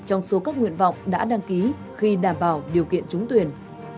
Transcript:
trong số các nguyện vọng đã đăng ký khi đảm bảo điều kiện trúng tuyển